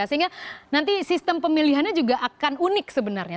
sehingga nanti sistem pemilihannya juga akan unik sebenarnya